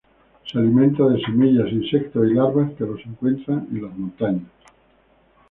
Se alimenta de semillas, insectos y larvas que los encuentra en las montañas.